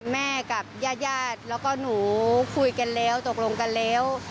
แม่กับญาติญาติแล้วก็หนูคุยกันแล้วตกลงกันแล้ว